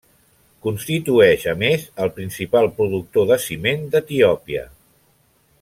Constitueix, a més, el principal productor de ciment d'Etiòpia.